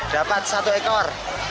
dapat satu ekor